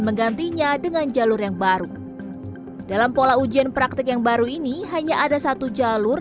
menggantinya dengan jalur yang baru dalam pola ujian praktik yang baru ini hanya ada satu jalur